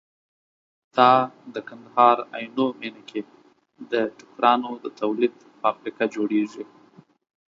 دا د کندهار عينو مينه کې ده ټوکر د تولید فابريکه جوړيږي